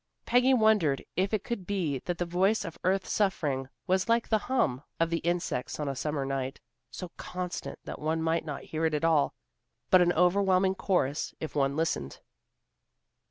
Peggy wondered if it could be that the voice of earth's suffering was like the hum of the insects on a summer night, so constant that one might not hear it at all, but an overwhelming chorus if one listened.